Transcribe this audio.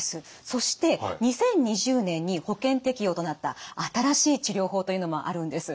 そして２０２０年に保険適用となった新しい治療法というのもあるんです。